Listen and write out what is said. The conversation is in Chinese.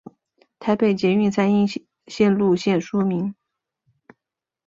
台北捷运三莺线路线说明